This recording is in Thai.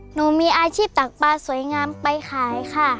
หนูมีอาชีพตักปลาสวยงามไปขายค่ะ